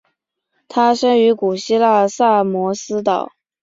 他生于古希腊萨摩斯岛。